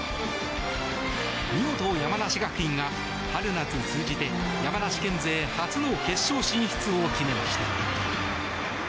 見事、山梨学院が春夏通じて山梨県勢初の決勝進出を決めました。